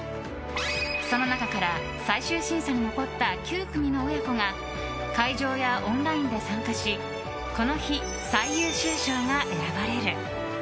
その中から最終審査に残った９組の親子が会場やオンラインで参加しこの日、最優秀賞が選ばれる。